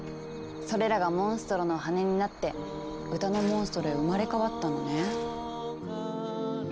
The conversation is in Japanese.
それらがモンストロの羽になって歌のモンストロへ生まれ変わったのね。